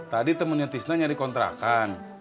tadi temannya tisna nyari kontrakan